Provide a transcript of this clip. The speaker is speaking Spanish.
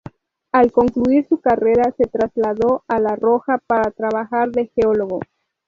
Al concluir su carrera se trasladó a La Rioja para trabajar de geólogo.